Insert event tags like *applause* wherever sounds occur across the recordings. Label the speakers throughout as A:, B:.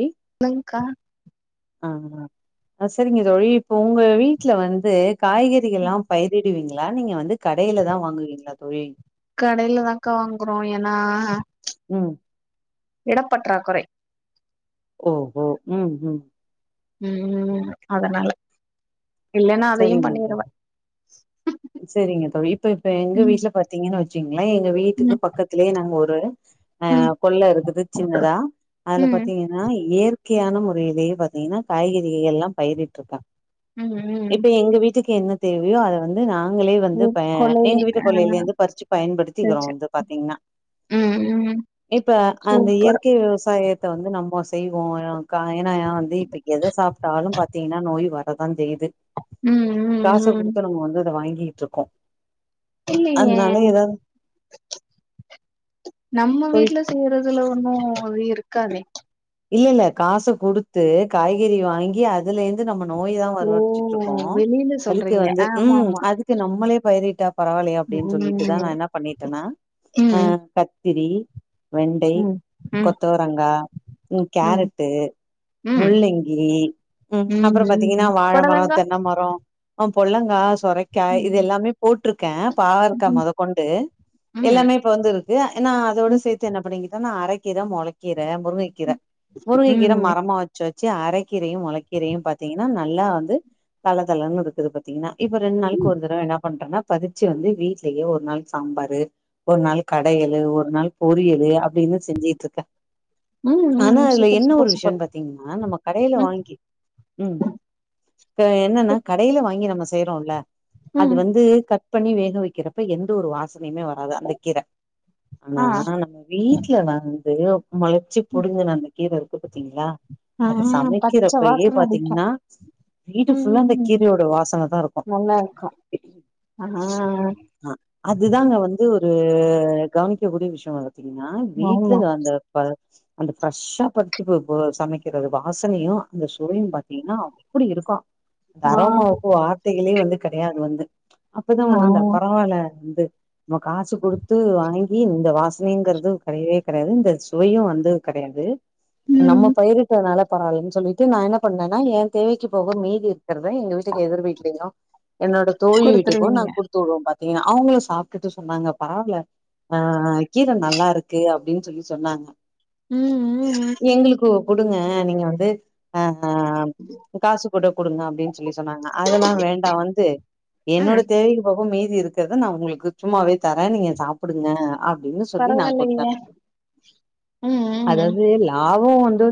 A: ம்
B: நிங்க்கா
A: ஆ செரிங்க தோழி இப்போ உங்க வீட்ல வந்து காய்கறிகள் எல்லா பயிரிடுவீங்களா நீங்க வந்து கடைல தா வாங்குவீங்ளா தோழி
B: கடைல தாக்கா வாங்குறோ ஏனா
A: ம்
B: எடப் பற்றாக்குறை
A: ஓ ஓ ம் ம்
B: ம் ம் அதனால இல்லன்னா அதையு
A: செரிங்
B: பண்ணிருவே
A: தோழி செரிங்க தோழி இப்ப இப்ப எங்க
B: ம்
A: வீட்ல பாத்தீங்கன்னா வெ ச்சிங்ளே எங்க வீட்டுக்கு
B: ம்
A: பக்கத்திலயே நாங்க ஒரு அ
B: ம்
A: கொள்ள இருக்குது சின்னதா அதுல
B: ம்
A: பாத்தீங்கன்னா இயற் கையான முறையிலேயே பாத்தீங்கன்னா காய்கறிகள் எல்லாம் பயிரிட்ருக்கா
B: ம் ம்
A: இப்ப எங்க வீட்டுக்கு என்ன தேவையோ அத வந்து நாங்களே வந்து
B: ம்
A: ப எங்க
B: கொள்ளையில
A: வீட்டு
B: ஆ
A: கொள்ளைலேந்து பறிச்சு
B: சேர்
A: பயன்படுத்திக்கிறோ
B: சேர்
A: வந்து பாத்தீங்ன்னா
B: ம் ம்
A: இப்ப அந்த
B: சூப்பர்
A: இயற்கை விவசாயத் த நம்மோ செய்வோ எ க ஏனா ஏ வந்து இப்ப எத சாப்ட்டாலு பாத்தீங்கன்னா நோய் வரதா செய்யிது
B: ம் ம்
A: காச
B: ம்
A: குடுத்து நம்மோ வந்து அத வாங்கீட்ருக்கோ
B: இல்லலைங்க நம்ம
A: தொழி
B: வீட்ல செய்றது இதுல ஒன்னு அது இருக்காதே
A: இல்லல்ல காசு குடுத்து காய்கறி வாங்கி அ துலருந்து நம்ம நோய தா வர
B: ஓ
A: வெச்சிட்ருக்கோ
B: வெளியில
A: அதுக்கு
B: சொல்றீங்க
A: வந்து
B: ஆமா
A: ம்
B: ஆமா
A: அது க்கு நம்மளே பயிரிட்டா பரவால்லையே அப்டின் சொல்லிட்டு தா நா
B: ம்
A: என்ன பண்ணிட்டனா அ
B: ம்
A: க த்திரி வெண்டை
B: ம் ம்
A: கொத்தவரங்கா ம் கேரட்டு
B: ம்
A: முள்ளங்கி ம் அப்ற பாத்தீங்கன்னா
B: ம்
A: வாழமரோ
B: புடலங்கா
A: தென்ன மரோ அவ் பொள்ளங்கா சொரைக்காய் இது
B: ம்
A: எல்லாமே போட்ருக்கே பாவற்கா
B: ம்
A: மொத கொண்டு எல்லாமே
B: ம்
A: இப்ப வந்திருக்கு ஏனா அதோட சேத்து என்ன பண்ணிக்கிட்டனா அரைக்கீர மொளக்கீர முருங்கை கீர முருங்கை கீரை
B: ம்
A: மரமா வெ ச்சு வெச்சு அரைக்கீரையு மொளைக்கீரயு பாத்தீங்கன்னா நல்லா வந்து தளதளன்னு இருக்குது இப்ப பாத்தீங்ன்னா இப்ப ரெண்டு நாள்க்கு ஒரு தடவ என்ன பண்றன்னா பதிச்சு வந்து வீட்லயே ஒரு நாள் சாம்பாரு ஒரு நாள் கடையளு ஒரு நாள் பொரியல அப்டினு செஞ்சிட்ருக்கே
B: ம் ம்
A: ஆனா அதுல
B: சூப்பர்
A: என்ன ஒரு
B: சூப்பர் சூப்பர்
A: விஷ்யன் பாத்தீங்ன்னா நம்ம கடைல
B: ம்
A: வாங்கி ம் இப்ப என்னன்னா கடைல வாங்கி நம்ம செய்றோல்ல அது
B: ம்
A: வந்து கட் பண்ணி வேக வெக்கிறப்ப எந்த ஒரு வாசனையிமே வராது அந்த கீர ஆனா
B: ஆ
A: நம்ம வீட்ல வந்து மொளச்சு புடுங்கன அந்த கீர இருக்கு பாத்தீங்ளா
B: ஆ
A: அத
B: பச்ச
A: சமைக்கிறப்பையே
B: வாசன அடிக்கு
A: பாத்தீங்ன்னா வீடு
B: ம்
A: ஃபுல்லா
B: ம்,
A: அந்த
B: ம்.
A: கீரையோட வாசன தா இருக்கு
B: நல்லா இருக்கு ஆ
A: ஆ அதுதாங்க வந்து ஒரு கவனிக்க கூடிய விஷ்யோ பாத்தீங்ன்னா வீட்ல
B: ஆமா
A: அந்த ப அந்த ப்ரெஷ்ஷா பறிக்க போ போ சமைக்கிறது வாசனையு அந்த சுவையு பாத்தீங்ன்னா அப்டி இருக்கு அந்த
B: ஆ
A: அரோமாவுக்கு வார்த்தைகளே வந்து கெடையாது வந்து அப்பதா
B: ஆ
A: உணர்ந்தே பரவால்ல வந்து நம்ம காசு குடுத் து வாங்கி இந்த வாசனைங்றது கெடையவே கெடையாது இந்த சுவையு வந்து கெடையாது நம்ம
B: ம்
A: பயிருட்டனால பரவால்லனு சொல்லிட்டு நா என்ன பண்ணேன்னா ஏன் தேவைக்கி போக மீதி இருக்றத எங்க வீட்டுக்கு எதிர் வீட்லயு என்னோட தோழி வீட்டுக்கும் நா
B: குடுத்துருவீங்க
A: குடுத்து விடுவே பாத்தீங்னா அவங்களு சாப்டுட்டு சொன்னாங்க பாருல ஆ கீர நல்லாருக்கு அப்டின்னு சொல்லி சொன்னாங்க
B: ம் ம் ம்
A: எங்களுக்கு குடுங்க நீங்க வந்து ஆ காசு கொட குடுங்க அப்டின்னு சொல்லி சொன்னாங்க அதெல்லா வேண்டா வந்து என்னோட
B: ம்,
A: தேவை போக மீதி இருக்கிறத நா உங்களுக்கு சும்மாவே தர நீங்க சாப்புடுங்க அப் டின்னு சொல்லி நா குடுத்த
B: பரவாயில்லைங்க ம் ம்
A: அதாது லாபம் வந்து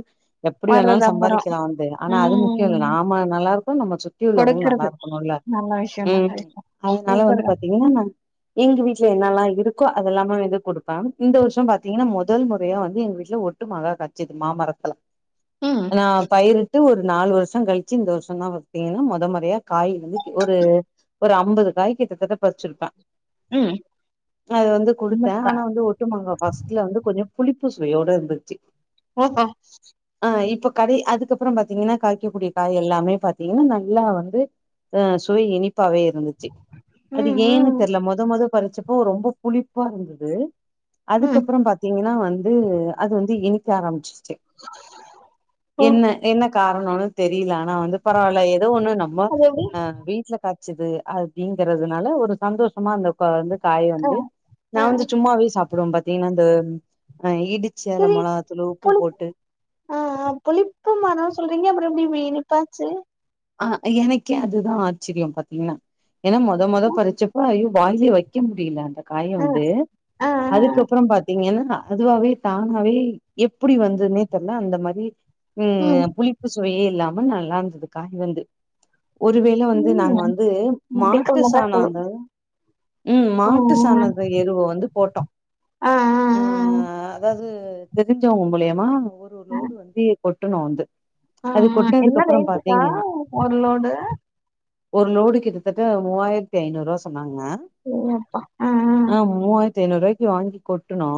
A: எப்புடி வேணாலு
B: வர்றது அப்பறோ
A: சம்பாதிக்கலா வந்து ஆனா அது முக்கிய இல்ல
B: ம்
A: நாம நல்லா இருக்கோ நம்ம சுத்தி உள்ளவங்களு நல்லா
B: கொடுக்கறது
A: இருக்கணுல்ல
B: நல்ல விஷயந்தா கரெட்
A: அதுனால வந்து பாத்தீங்கன்னா ந எங்க வீட்ல என்னெல்லா இருக்கோ அதெல்லா வந்து கொடுப்பே இந்த வருஷம் பாத்தீங்கன்னா மொதல் மொறையா வந்து எங்க வீட்ல ஒர் ட்டு மாங்கா கச்சிது மா மரத்துல
B: ம்
A: நா பயிரிட்டு ஒரு நாலு வருஷங்கழிச்சி இந்த வருஷந்தா த்தீங்ன்னா மொத மொறையா காய் வந்து ஒரு ஒரு அம்பது காய் கிட்டத்தட்ட பறிச்சிருப்ப
B: ம்
A: அது வந்து குடுத்த
B: உண்மதா
A: ஆனா வந்து ஒட் டு மாங்கா ஃபஸ்ட்ல வந்து கொஞ்ச புளிப்பு சுவயோட இருந்துச்சு
B: *unintelligible* *inaudible*
A: ஆ இப்ப கடை அதுக்கப்புறம் பாத்தீங்கன்னா காய்க்கக்கூடிய காய் எல்லாமே பாத்தீங்கன்னா நல்லா வந்து அ சுவை இனிப்பாவே இருந்துச்சு அது
B: ம்
A: ஏன்னு
B: ம்
A: தெர்ல மொத மொத பறிச்சப்போ ரொம்ப புளிப்பா இருந்துது
B: ம்
A: அதுக்கப்பறம் பாத்தீங்னா வந்து அது வந்து இனிக்க ஆரம்பிச்சிரிச்சு
B: ஓ
A: என்ன என்ன காரணன்னு தெரியல ஆனா வந்து பரவால்ல ஏதோ ஒண்ணு நம் ம
B: அது எப்டி
A: அ வீட்ல காச்சது அப்டிங்கறதுனால ஒரு சந்தோஷமா அந்த வந்து காய
B: ஆ
A: வந்து நா
B: ஆ
A: வந்து சும்மாவே சாப்புடுவ பாத்தீங்னா இந்த அ இடிச் சிரக மொளகாத்தூழு உப்பு போட்டு
B: அ ஆ புளிப்பு மரம் சொல்றீங்க அப்றம் எப்டி இப்டி இனிப்பாச்சு
A: ஆ எனக்கே அதுதா ஆச்சரியம் பாத்தீங்ன்னா ஏன்னா மொத மொத பறிச்சப்ப ஐயோ வாயிலே வைக்க முடியல அத காய
B: ஆ
A: வந்து
B: ஆ ஆ
A: அதுக்கப்றம் பாத் தீங்கன்னா அதுவாவே தானாவே எப்புடி வந்துதுன்னே தெர்ல அந்த மாரி ம் புளிப்பு சுவையே இல்லாம நல்லாருந்தது காய் வந்து ஒருவேள வந்து நாங்க
B: ம்
A: வந்து
B: அதுக்கு
A: மாட்டு
B: முன்னாடி சொல்லு
A: சாணந்து ம் மாட்டு
B: ம்,
A: சாணத எருவ வந்து போட்டோ
B: ஆ ஆ
A: அ அதாது தெரிஞ்சவுங்க மூலியமா ஒரு
B: ஆ ஆ
A: லோடு வந்து கொட்டுனோ வந்து
B: ஆ ஆ
A: அது
B: ஆ. என்ன
A: கொட்னதுக்கு அப்பறம்
B: ரேட்டுக்கா
A: பாத்தீங்கன்னா
B: ஒரு லோடு
A: ஒரு லோடு கிட்டத்தட்ட மூவாயிரத்தி ஐநூறு ரூவா சொன்னாங்க
B: ஏ அப்பா அ
A: ஆ மூவாயிரத்தி ஐநூறுவாய்க்கி வாங்கி கொட்டுணோ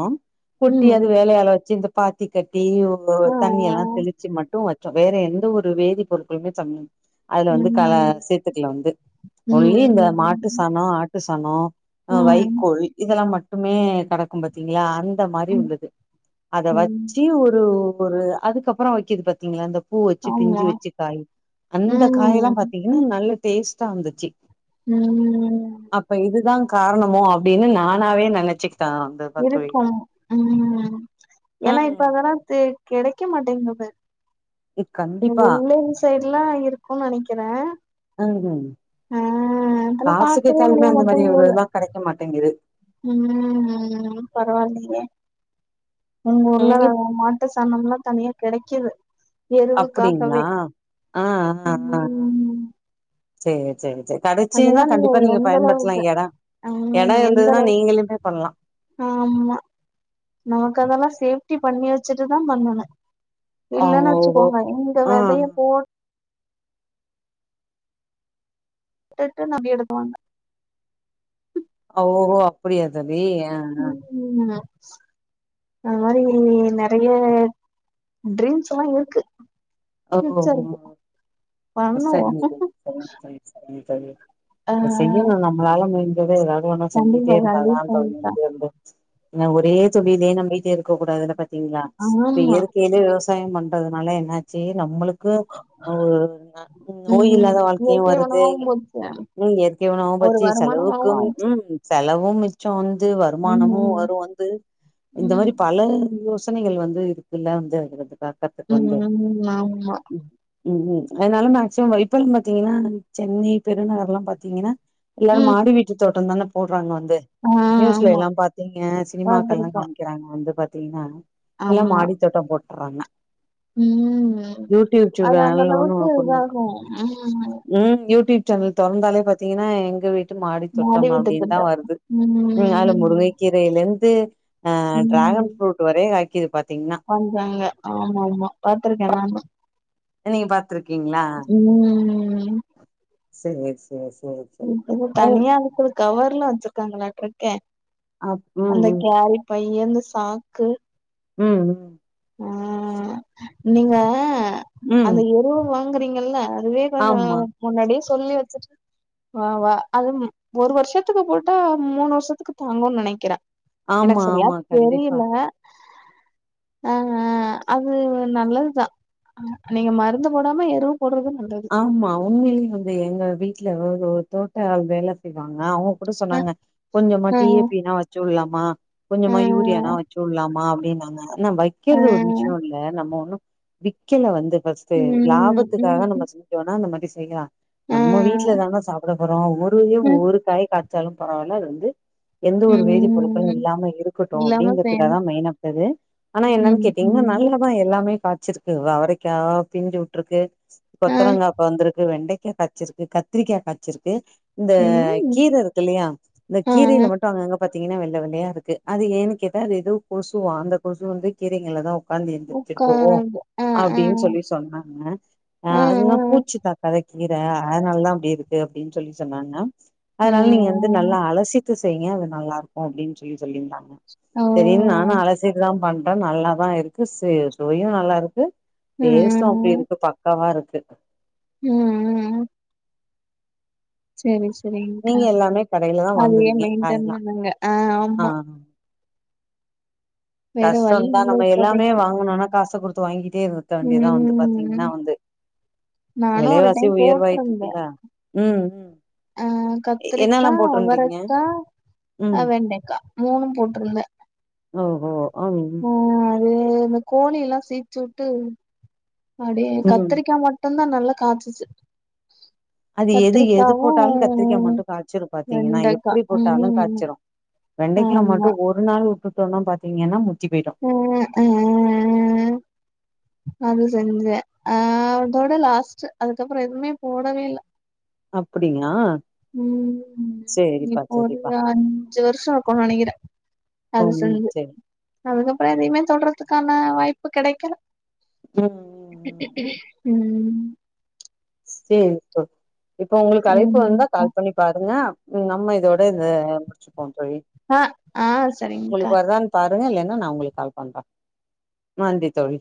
A: கொட்டி அது
B: ம்
A: வேலயால வச்சு இந்த பாத்தி கட்டி ஓ
B: ஆ ஆ
A: தண்ணியெல்லா தெளிச்சு மட் டும் வச்சோ வேற எந்த ஒரு வேதி பொருள்களுமே சம் அதுல வந்து கல
B: ம்
A: சேத்துக்கள வந்து
B: ம்
A: ஒன்லி இந்த
B: ம்
A: மாட்டு சானோ ஆட்டு சானோ
B: ம்
A: வைக்கோல் இதெல்லா மட்டுமே கடக்கும் பாத்தீங்களா அந் இந்த மாதிரி
B: ம்
A: இருந்தது அத
B: ம்
A: வச்சு ஒரு ஒரு அதுக்கப்பற வைக்குது பாத்தீங்களா இந்த பூ வச்சு பிஞ்சி
B: ஆமா
A: வச்சு காய் அந்த காயல்லா
B: ம்
A: பாத்தீங்கன்னா நல்ல டேஸ்டா இருந்துச்சு
B: ம் ம்
A: அப்ப இதுதா காரணமோ அப்படின்னு நானாவே நெனைச்சிக்கிட்ட
B: இருக்கு ம் ஏன்னா இப்ப
A: ம்
B: அதெல்லா தே கெடைக்க மாட்டேங்கது
A: கண்டிப்பா
B: வெள்ளோர் சைடுலாம் இருக்கும்னு நெனைக்கிறே
A: ம் ம்
B: ஆ அதெல்லா
A: காசுக்கு
B: பாக்கவே
A: கேட்டாலுமே
B: முடிய
A: அந்த மாதிரி ஒரு
B: மாட்டேங்குது
A: இதுலா கெடைக்க மாட்டேங்குது
B: ம் ம் பரவால்லயே எங்க ஊர்ல
A: ம் இப்
B: மாட்டு சாணம்ல்லா தனியா கெடைக்குது
A: அப்டிங்களா
B: எருவுக்காகவே
A: ஆ
B: ம் ம்
A: சரி சரி சரி கெடைச்சிதுன்னா
B: அதெல்லா
A: கண்டிப்பா நீங்க
B: எந்த
A: பயன்படுத்தலா
B: அளவுக்கு
A: எட எட
B: ம் எந்த
A: இருந்ததுன்னா
B: அளவுக்கு
A: நீங்களுமே பண்ணலா
B: ஆமா நமக்கு அதெல்லா சேஃப்டி பண்ணி வச்சுட்டு தா பண்ணணு
A: ஓ
B: இல்லன்னா
A: ஓஹோ
B: வச்சுக்கோங்க இங்க
A: ஆ
B: வெதைய போட் டுட்டு நம்பி எடுக்குவாங்க
A: ஓ ஓ ஓஹோ அப்படியா‌ தோழி அ அ
B: ம் அது மாரி நெறைய டரீம்ஸ்ல்லா இருக்கு
A: ஓ
B: பியூச்சருக்கு பண்ணுவோ
A: சரிங்க தோழி சரிங்க தோழி சரிங்க தோழி
B: ஆ
A: செய்யணு நம்மளால முயஞ்சது ஏதாவது ஒண்ணு செஞ்சிட்டே
B: கண்டிப்பா
A: இருந்ததா தோழி
B: கண்டிப்பாங்க்கா
A: இருந்து வந்து ஏனா ஒரே தொழிலே நம்பிட்டே இருக்க கூடாதுல பாத்தீங்களா இப்ப
B: ஆமா
A: இயற்கையிலே விவ சாயம் பண்றதுனால என்னாச்சு நம்பளுக் க்கு ஒரு நோய்
B: ம்.
A: இல்லாத வாழ்க்கையு
B: இயற்கை
A: வருது
B: உணவாவும் போச்சு.
A: ம் இயற்கைய உணவா
B: ஒரு
A: போச்சி
B: வருமானமாவும்
A: செலவுக்கும்
B: ஆச்சு.
A: ம் செலவும் மிச்சம் வந்து வருமானமு
B: ம்.
A: வரு வந்து இந்த மாரி
B: ம்.
A: பல யோ சனைகள் வந்து இருக்குல்ல வந்து வரு
B: ம் ம் ஆமா
A: ம் ம் அதனால மேக்சிமம் இப்பன் பாத்தீங்கன்னா சென்னை பெருநகர்ல்லா பாத்தீங்கன்னா எல்லாரு
B: ம்.
A: மாடி வீட்டு தோட்டந் தானே போடுறாங்க வந்து
B: ஆ
A: நியூஸ்ல
B: ஆமா.
A: எல்லா பாத்தீங்க சினிமாக்கள்லா
B: பாத்துருக்கோம்.
A: காமிக் க்கிறாங்க வந்து பாத்தீங்கன்னா எல்லா மாடித்தோட்ட போட்றாங்க
B: ம் ம்
A: யூடியூப் சு
B: அது அந்த
A: சேனல் ஒண்ணு
B: அளவுக்கு
A: ஓபன் பண்ணி
B: இதாகும். ம்.
A: ம் யூடியூப் சேனல் தொறந்தாலே பாத்தீங்கன்னா எங்க வீட் டு மாடித்தோட்ட
B: மாடி வீட்டு
A: அப்படின்னு தா
B: திட்டம்.
A: வருது ம் அதுல முருங்கைக்கீரையில இருந்து அ டிராகன் ஃப்ரூட் வரை காய்க்கிது பாத்தீங்கன்னா
B: காமிச்சாங்க ஆமா ஆமா பாத்திருக்கே நானு
A: நீங்க பாத் திருக்கீங்களா
B: ம் ம் ம்
A: சரி சரி சரி
B: ம்‌‌ தனியா அதுக்குள்ள கவர்ல்ல வச்சிருக்காங்களாட்ருக்கே
A: அப் ம்
B: அந்த
A: ம்
B: கேரட் பையி அந்த சாக்கு
A: ம் ம்
B: அ நீங்க
A: ம் ம்
B: அந்த எருவ வாங்குறீங்கல்ல இதுவே கொஞ்சோ
A: ஆமா
B: முன்னாடியே சொல்லி வச்சிட்டு வா வா அது ஒரு வருஷத்துக்கு போட்டா மூணு வருஷத்துக்கு தாங்குன் நெனைக்கிற
A: ஆமா
B: எனக்கு சரியா
A: ஆமா கண்டிப்பா
B: தெரியல
A: *inaudible*
B: அ அது நல்லதுதா நீங்க மருந்து போடாம எருவு போடுறது நல்லது
A: ஆமா உண்மேலே வந்து எங்க வீட்ல ஒரு தோட்ட ஆள் வேல செய்வாங்க அவங்க கூட
B: அ
A: சொன்னாங்க கொஞ்சமா
B: அ
A: டீய பீனா வச்சுட்லாமா
B: அ
A: கொஞ்சமா யூரியானா வச்சுவுட்லாமா அப்டின்னாங்க ஆனா
B: அ
A: வைக்கிறது ஒரு விஷ்யோ இல்ல நம்ம ஒண்ணு விக்கல வந்து ஃபஸ்ட்டு
B: ம்
A: லாபத்துக்காக நம்ம
B: ம்
A: செஞ்சோனா இந்த மாரி செய்யலா
B: அ
A: நம்ம வீட்ல தான சாப்ட போறோ ஒவ்வொருதலயு
B: ம்
A: ஒவ்வொரு காய் காச் ச்சாலு பரவால அது வந்து எந்த ஒரு வேதி பொருள்களு
B: ம்
A: இல்லாம இருக்கட்டு
B: இல்லாம
A: அப்டிங்கறதுகாக
B: செய்யணு
A: தா மெய்னா வச்சது ஆனா என்னன்
B: ம்
A: கேட்டீங்ன்னா
B: ம்
A: நல்லாதா எல்லாமே காச்சிருக்கு அவரைக்கா பிஞ்சு உட்ருக்கு
B: அ
A: கொத்தரங்கா இப்ப வந்துருக்கு வெண்டைக்கா காச்சிருக்கு கத்திரிக்கா காச்சிருக்கு இந்த
B: ம்
A: கீர இருக்குல்லையா இந்த
B: அ
A: கீரைல மட்டு அங்கங்க பாத்தீங்ன்னா வெள்ள வெள்ளையா இருக்கு அது ஏன்னு கேட்டா அது எதோ கொசுவா அந்த கொசு வந்து கீரைங்கள்ளதா உக்காந்து எந்திரிச்சி போகு
B: உக்காந்து அ
A: அப்டின்
B: அ
A: சொல்லி சொன்னாங்க ஆ அதுதா
B: ம்,
A: பூச்சி தாக்காத கீர அதனாலதா அப்டி இருக்கு அப்டின் சொல்லி சொன்னாங்க
B: ம்,
A: அதனால நீங்க வந்து
B: ம்,
A: நல்லா அலசிட்டு செய்ங்க அது நல்லாக்கும் அப்டின் சொல்லி சொல்லிருந்தாங்க சரின்னு நா நா
B: ம்,
A: அலசிட்டு தா பண்ற நல்லாதா இருக்கு சி சுவையு நல்லாருக்கு டேஸ்டு அப்டி
B: ம்,
A: இருக்கு பக்காவா இருக்கு
B: ம் ம் ம் செரி செரிங்க்கா
A: நீங்க எல்லாமே கடையிலதா
B: அதையே
A: வாங்குவீங்க
B: மெய்ன்டென்
A: காயெல்லா
B: பண்ணுங்க அ
A: ஆ
B: ஆமா வேற வழி
A: கஷ்டந்தா
B: இல்ல
A: நம்ம எல்லாமே
B: இப்போதைக்கு.
A: வாங்கணுனா காச குடுத்து வாங்கி கிட்டே இருக்க வேண்டியதா வந்து பாத்தீங்ன்னா
B: ம்.
A: வந்து
B: நானும் ஒரு
A: விலைவாசி
B: டைம் போட்டிருந்தேன்.
A: உயர்வாய்ட்ருக்குல்லா ம் ம்
B: அ
A: என்னெல்லா
B: கத்திரிக்கா
A: போட்டிருந்தீங்க
B: அவரக்கா ஆ
A: ம்
B: வெண்டைக்கா மூணு போட்ருந்த
A: ஓஹோ அம் ம்
B: ம் இந்த கோழி எல்லா சீச்சு உட்டு அப்டியே
A: ம்
B: கத்திரிக்கா மட் டுந்தா நல்லா காச்சிச்சு
A: *inaudible* அது எது எது போட்டாலு கத்திரிக்கா
B: கத்திரிக்காவும்
A: மட்டு காச்சிரு பாத்தீங்ன்னா
B: வெண்டைக்கா.
A: எப்டி போட்டாலு
B: ம்.
A: காய்ச்சிரு வெண்டைக்கா
B: ஆமா.
A: மட்டு ஒரு நாள் உட்டுட்டோணா பாத்தீங்ன்னா முத்தி போய்ரு
B: அ அ
A: *inaudible*
B: அது செஞ்ச அ அதோட லாஸ்ட்டு அதுக்கப்றோ எதுவுமே போடவே இல்ல
A: அப்டிங்ளா
B: ம் இப்போ ஒரு
A: சேரிப்பா
B: அஞ்சு வருஷோ இருக்குன் நெனக்கிற அது
A: ம்
B: செஞ்சு
A: சேரி
B: அதுக்கப்றோ எதையுமே தொட்றதுக்கான வாய்ப்பு கெடைக்கல
A: ம் ம் ம்
B: ம்
A: சேரி போ இப்போ உங்களுக்கு அழைப்பு வந்தா
B: சரிங்கக்கா.
A: கால் பண்ணி பாருங்க நம்ம இதோட இத முடிச்சுப்போ தோழி
B: ஆ, ஆ சரிங்கக்கா.
A: உங்களுக்கு வருதான் பாருங்க இல்லன்னா நா உங்களுக்கு கால் பண்ற நன்றி தோழி